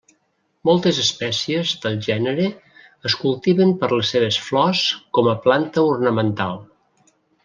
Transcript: Moltes espècies del gènere es cultiven per les seves flors com a planta ornamental.